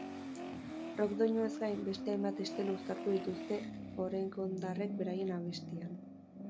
Rock doinuez gain, beste hainbat estilo uztartu dituzte oregondarrek beraien abestietan.